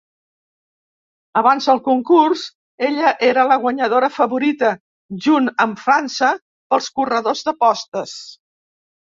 Abans del concurs, ella era la guanyadora favorita junt amb França pels corredors d'apostes.